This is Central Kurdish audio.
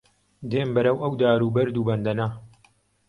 دێم بەرەو ئەو دار و بەرد و بەندەنە